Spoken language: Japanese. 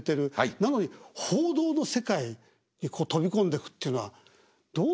なのに報道の世界に飛び込んでいくっていうのはどういう？